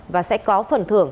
và sẽ có phần thưởng